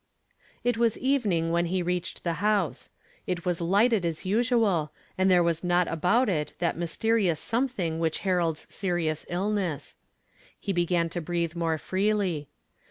i . It was evening when he reaelied the house 5 it was hghted as usual, and there was not about it that mysterious something which heralds serious dlness. He began to breathe more freely.